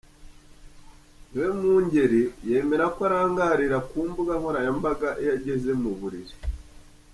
Niwemugeni yemera ko arangarira ku mbuga nkoranyambaga iyo ageze mu buriri.